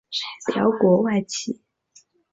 辽国外戚。